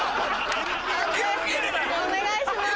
判定お願いします。